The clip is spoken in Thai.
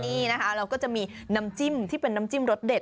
นี่นะคะเราก็จะมีน้ำจิ้มที่เป็นน้ำจิ้มรสเด็ด